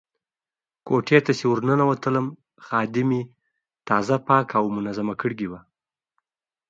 کوټې ته چې ورننوتلم خادمې تازه پاکه او منظمه کړې وه.